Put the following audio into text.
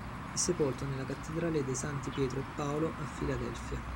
È sepolto nella cattedrale dei Santi Pietro e Paolo a Filadelfia.